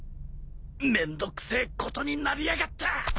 めんどくせえことになりやがった。